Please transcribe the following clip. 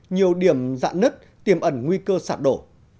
nhiều điểm dạn nứt tiềm ẩn nguy cơ sạt đổ